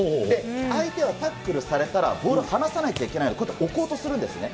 相手はタックルされたらボールを離さなきゃいけないので、こうやって置こうとするんですね。